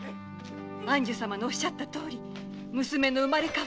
光琳様のおっしゃったとおり娘の生まれ変わりが。